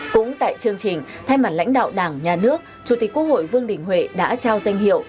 cũng tại chương trình thay mặt lãnh đạo đảng nhà nước chủ tịch quốc hội vương đình huệ đã trao danh hiệu